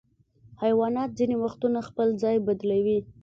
حیوانات ځینې وختونه خپل ځای بدلوي.